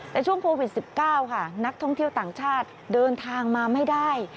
แต่ช่วงโควิด๑๙ค่ะนักท่องเที่ยวต่างชาติเดินทางมาไม่ได้